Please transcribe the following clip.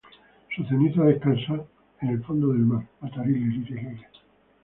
Sus cenizas descansan en el fondo del mar.